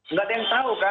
nggak ada yang tahu kan